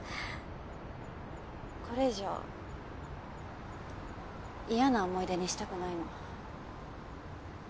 これ以上嫌な思い出にしたくないの。